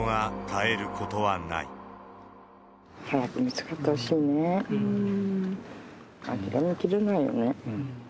諦めきれないよね。